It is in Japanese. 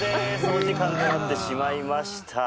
お時間となってしまいました。